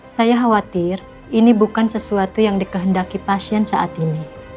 saya khawatir ini bukan sesuatu yang dikehendaki pasien saat ini